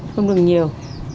không được nhiều